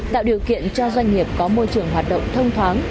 tạo điều kiện cho doanh nghiệp có môi trường hoạt động thông thoáng